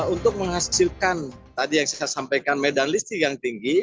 untuk menghasilkan tadi yang saya sampaikan medan listrik yang tinggi